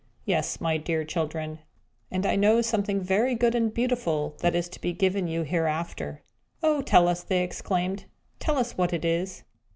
Yes, my dear children, and I know something very good and beautiful that is to be given you hereafter!" "Oh tell us," they exclaimed "tell us what it is!"